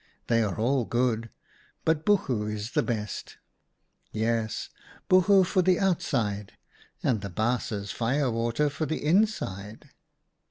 They are all good, but buchu is the best. Yes, buchu for the outside, and the Baas's fire water for the inside